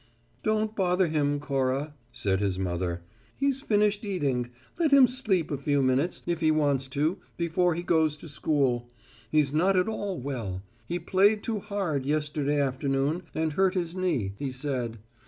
"Don't bother him, Cora," said his mother. "He's finished eating let him sleep a few minutes, if he wants to, before he goes to school. He's not at all well. He played too hard, yesterday afternoon, and hurt his knee, he said.